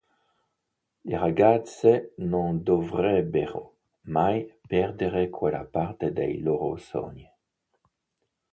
Le ragazze non dovrebbero mai perdere quella parte dei loro sogni.